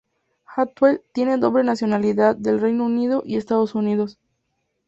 Atwell tiene doble nacionalidad del Reino Unido y Estados Unidos.